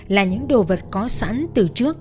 là những đồ vật có sẵn từ trước